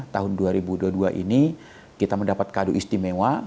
tahun dua ribu dua puluh dua ini kita mendapat kado istimewa